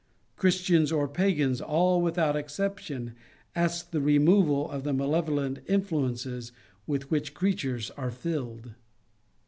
Christians or pagans, all without exception, ask the removal of the mr.levolent influences with which creatures are filled.